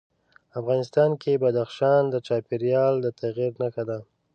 افغانستان کې بدخشان د چاپېریال د تغیر نښه ده.